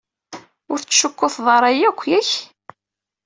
Ur teccukuteḍ ara yakk, yak?